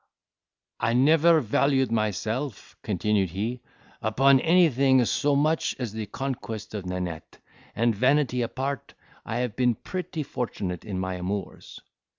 "I never valued myself," continued he, "upon anything so much as the conquest of Nanette; and, vanity apart, I have been pretty fortunate in my amours."